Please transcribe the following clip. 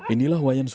inilah wayan suku